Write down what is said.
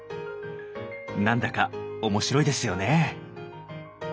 何だか面白いですよね。